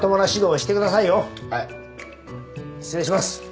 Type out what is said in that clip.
失礼します。